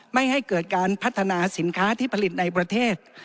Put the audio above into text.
ไม่ให้เกิดการพัฒนาสินค้าที่ผลิตในประเทศ